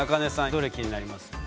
どれ気になりますか？